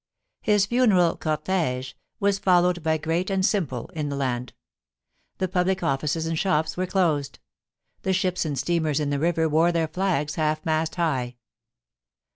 His funeral cortigevas followed by great and simple in the land. The public olhces and shops were closed. The ships and steamers in the river wore their flags half mast high.